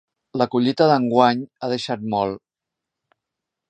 La collita d'enguany ha deixat molt.